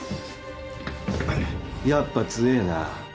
やっぱ強えな